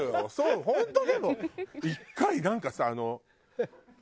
本当でも１回なんかさ何？